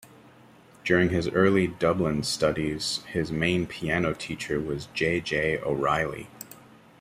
During his early Dublin studies, his main piano teacher was J. J. O'Reilly.